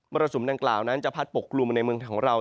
รสุมดังกล่าวนั้นจะพัดปกกลุ่มในเมืองของเรา